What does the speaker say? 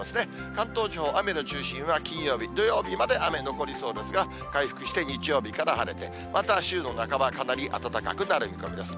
関東地方、雨の中心は金曜日、土曜日まで雨残りそうですが、回復して、日曜日から晴れて、また週の半ば、かなり暖かくなる見込みです。